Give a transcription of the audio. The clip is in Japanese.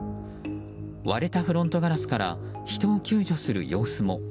割れたフロントガラスから人を救助する様子も。